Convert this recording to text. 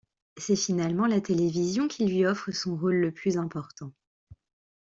C'est finalement la télévision qui lui offre son rôle le plus important.